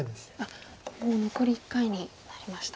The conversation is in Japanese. もう残り１回になりました。